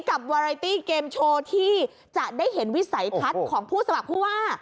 วาไรตี้เกมโชว์ที่จะได้เห็นวิสัยทัศน์ของผู้สมัครผู้ว่า